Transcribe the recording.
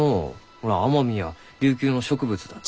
ほら奄美や琉球の植物だって。